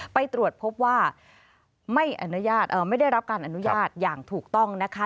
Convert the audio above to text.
ไปตรวจพบว่าไม่อนุญาตไม่ได้รับการอนุญาตอย่างถูกต้องนะคะ